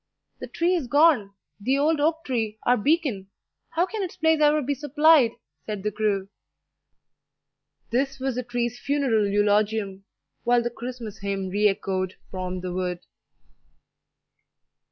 "The tree is gone the old oak tree, our beacon! How can its place ever be supplied?" said the crew. This was the tree's funeral eulogium, while the Christmas hymn re echoed from the wood.